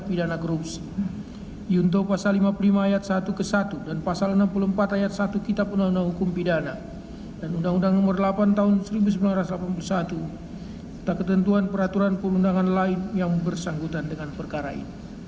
yang bersangkutan dengan perkara ini